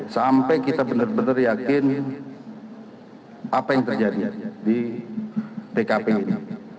sampai kita benar benar yakin apa yang terjadi di tkp ini